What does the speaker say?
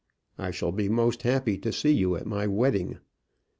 I shall be most happy to see you at my wedding.